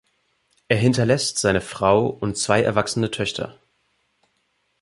Er hinterlässt seine Frau und zwei erwachsene Töchter.